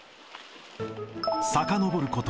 さかのぼること